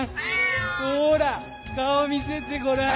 ほらかおみせてごらん。